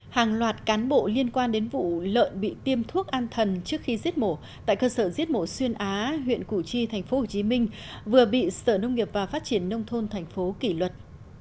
hàng loạt cán bộ liên quan đến vụ lợn bị tiêm thuốc an thần trước khi giết mổ tại cơ sở giết mổ xuyên á huyện củ chi tp hcm vừa bị sở nông nghiệp và phát triển nông thôn thành phố kỷ luật